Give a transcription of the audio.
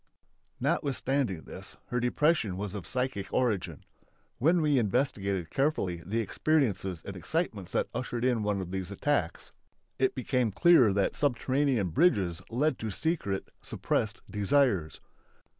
Notwithstanding this, her depression was of psychic origin. When we investigated carefully the experiences and excitements that ushered in one of these attacks it became clear that subterranean bridges led to secret (suppressed) desires.